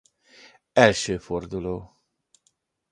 Első forduló